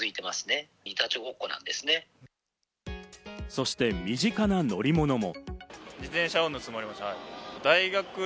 そして身近な乗り物も。